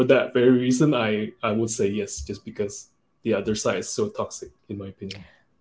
jadi untuk alasan tersebut saya akan mengatakan ya hanya karena sisi lain sangat toksik menurut saya